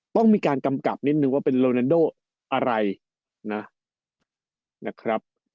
ต้องมีการกำกับนิดนึงว่าเป็นโรนันโดอะไรนะนะครับ